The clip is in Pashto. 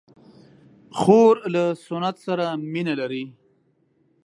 خور له سنت سره مینه لري.